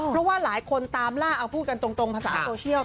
เพราะว่าหลายคนตามล่าเอาพูดกันตรงภาษาโซเชียล